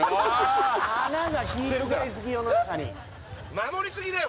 守り過ぎだよ